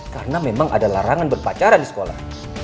karena memang ada larangan berpacaran di sekolah